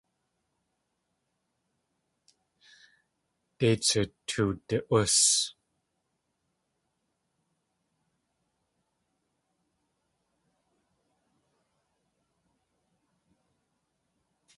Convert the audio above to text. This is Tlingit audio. Dei tsu tuwdi.ús.